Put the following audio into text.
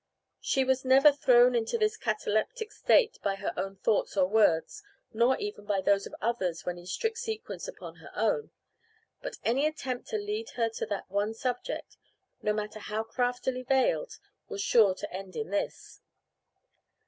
She was never thrown into this cataleptic state by her own thoughts or words, nor even by those of others when in strict sequence upon her own. But any attempt to lead her to that one subject, no matter how craftily veiled, was sure to end in this.